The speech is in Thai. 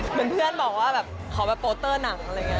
เหมือนเพื่อนบอกว่าแบบขอไปโปรเตอร์หนังอะไรอย่างนี้